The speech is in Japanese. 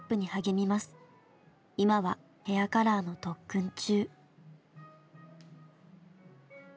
今はヘアカラーの特訓中。